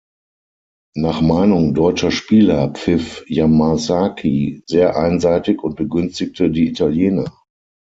Nach Meinung deutscher Spieler pfiff Yamasaki sehr einseitig und begünstigte die Italiener.